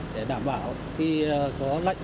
để tổ chức trực và ứng trực